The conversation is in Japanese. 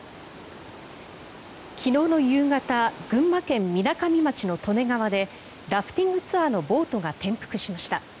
昨日の夕方群馬県みなかみ町の利根川でラフティングツアーのボートが転覆しました。